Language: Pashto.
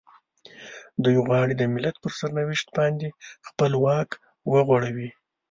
دوی غواړي د ملت پر سرنوشت باندې خپل واک وغوړوي.